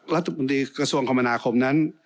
รัฐมนตรีกระทรวงคมนาคมนั้น